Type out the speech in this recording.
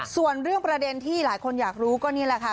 ส่วนเรื่องประเด็นที่หลายคนอยากรู้ก็นี่แหละค่ะ